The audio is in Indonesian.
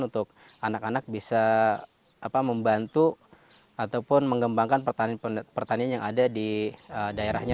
untuk anak anak bisa membantu ataupun mengembangkan pertanian yang ada di daerahnya